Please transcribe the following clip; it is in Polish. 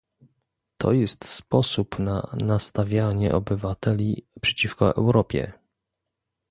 To jest sposób na nastawianie obywateli przeciwko Europie